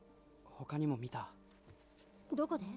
他にも見たどこで？